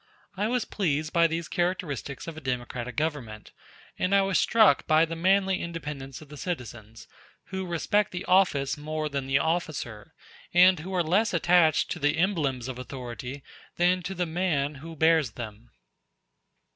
I was pleased by these characteristics of a democratic government; and I was struck by the manly independence of the citizens, who respect the office more than the officer, and who are less attached to the emblems of authority than to the man who bears them.